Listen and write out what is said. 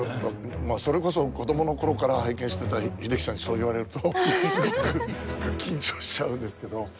まあそれこそ子供の頃から拝見してた英樹さんにそう言われるとすごく緊張しちゃうんですけど。